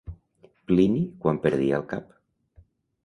Plini quan perdia el cap.